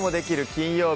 金曜日」